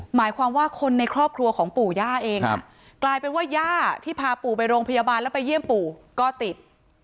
หมายความว่าคนในครอบครัวของปู่ย่าเองกลายเป็นว่าย่าที่พาปู่ไปโรงพยาบาลแล้วไปเยี่ยมปู่ก็ติด